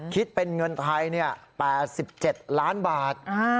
คิดเป็นเงินไทย๘๗ล้านบาท